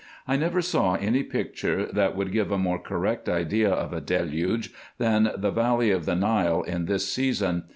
I never saw any picture that could give a more correct idea of a deluge than the valley of the Nile in this season.